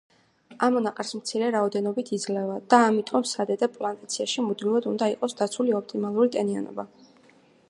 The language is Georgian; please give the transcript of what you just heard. ამონაყარს მცირე რაოდენობით იძლევა და ამიტომ სადედე პლანტაციაში მუდმივად უნდა იყოს დაცული ოპტიმალური ტენიანობა.